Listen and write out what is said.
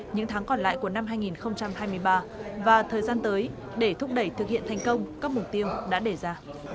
những tháng còn lại của năm hai nghìn hai mươi ba và thời gian tới để thúc đẩy thực hiện thành công các mục tiêu đã đề ra